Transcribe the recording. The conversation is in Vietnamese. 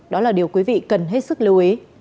đó là điều quý vị cần hết sức lưu ý